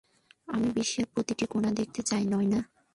আমি বিশ্বের প্রতিটি কোণা দেখতে চাই, নায়না।